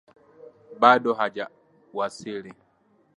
Bado hajawasili.